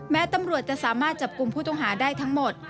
แม้ตำรวจจะสามารถจับกลุ่มผู้ต้องหาได้ทั้งหมด